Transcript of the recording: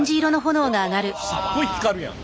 すっごい光るやん。